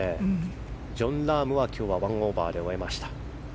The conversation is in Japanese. ジョン・ラームは１オーバーで終えました。